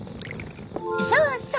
そうそう！